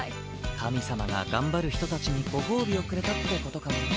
神様が頑張る人たちにご褒美をくれたって事かもね。